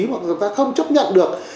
người ta không chấp nhận được